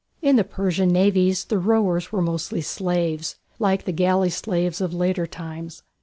In the Persian navies the rowers were mostly slaves, like the galley slaves of later times.